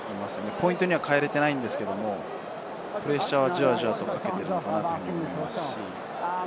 ポイントには変えられていないんですけれど、プレッシャーはじわじわとかけていると思います。